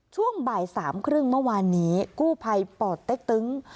ช่วงบ่ายสามครึ่งเมื่อวานนี้กู้ภัยป่อเต็กตึง